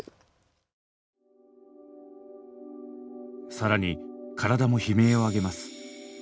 さらに体も悲鳴を上げます。